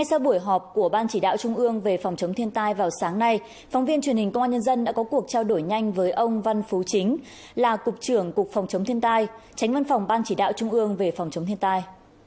sau buổi họp của ban chỉ đạo trung ương về phòng chống thiên tai vào sáng nay phóng viên truyền hình công an nhân dân đã có cuộc trao đổi nhanh với ông văn phú chính là cục trưởng cục phòng chống thiên tai tránh văn phòng ban chỉ đạo trung ương về phòng chống thiên tai